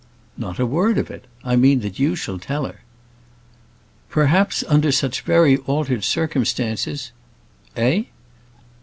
"Not a word of it. I mean that you shall tell her." "Perhaps, under such very altered circumstances " "Eh?"